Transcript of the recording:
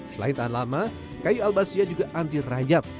selain tahan lama kayu albasia juga anti rayap